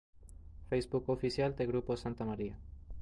Facebook Oficial de Grupo Santa María